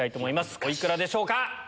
おいくらでしょうか。